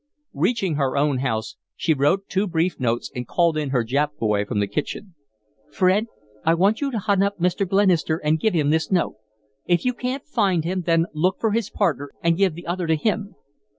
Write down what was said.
Reaching her own house, she wrote two brief notes and called in her Jap boy from the kitchen. "Fred, I want you to hunt up Mr. Glenister and give him this note. If you can't find him, then look for his partner and give the other to him."